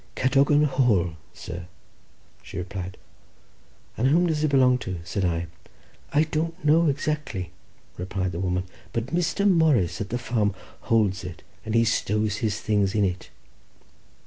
"Cadogan Hall, sir," she replied. "And whom does it belong to?" said I. "I don't know exactly," replied the woman, "but Mr. Morris at the farm holds it, and stows his things in it."